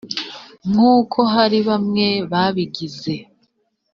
nk uko hari bamwe babigize